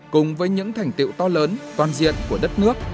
cùng với những thành tiệu to lớn toàn diện của đất nước